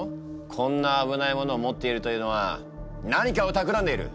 こんな危ないものを持っているというのは何かをたくらんでいる！